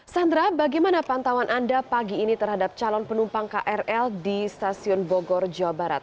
sandra bagaimana pantauan anda pagi ini terhadap calon penumpang krl di stasiun bogor jawa barat